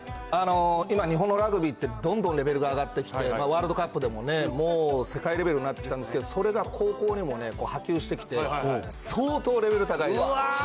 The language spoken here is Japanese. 今、日本のラグビーってどんどんレベルが上がってきて、ワールドカップでも、もう世界レベルになってきたんですけど、それが高校にも波及してきて、相当レベル高いです。